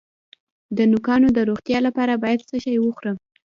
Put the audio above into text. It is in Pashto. د نوکانو د روغتیا لپاره باید څه شی وخورم؟